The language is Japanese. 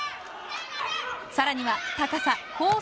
さらには高さコース